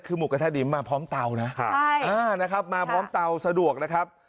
คือหมูกระทะดิมมาพร้อมเตานะนะครับมาพร้อมเตาสะดวกนะครับ